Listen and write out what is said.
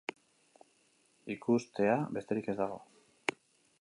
Ikustea besterik ez dago.